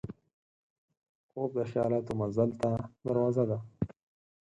خوب د خیالاتو مزل ته دروازه ده